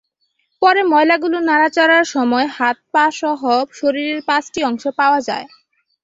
পরে ময়লাগুলো নাড়াচাড়ার সময় হাত, পাসহ শরীরের পাঁচটি অংশ পাওয়া যায়।